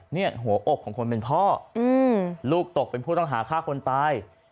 นี่หัวอกของคนเป็นพ่อลูกตกเป็นผู้ต้องหาฆ่าคนตาย